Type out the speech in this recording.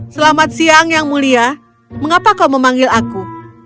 selamat siang yang mulia mengapa kau memanggil aku